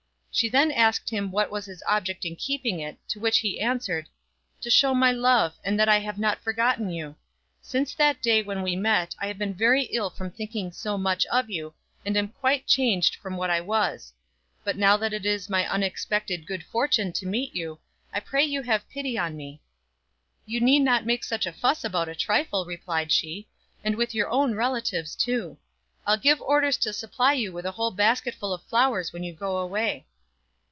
She then asked him what was his object in keeping it, to which he answered, " To show my love, and that I have not forgotten you. Since that day when we met, I have been very ill from thinking so much of you, and am quite changed from what I was. But now that it is my unexpected good fortune to meet you, I pray you have pity on me." " You needn't make such a fuss about a trifle," replied she, " and with your own relatives, too. I'll give orders FROM A CHINESE STUDIO. 115 to supply you with a whole basketful of flowers when you go away."